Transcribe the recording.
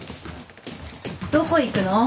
どこ行くの？